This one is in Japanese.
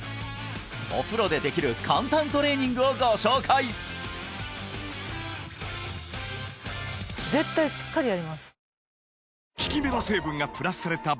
お風呂でできる簡単トレーニングをご紹介！を４つご紹介